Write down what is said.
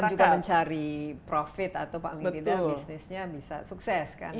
kita juga mencari profit atau paling tidak bisnisnya bisa sukses kan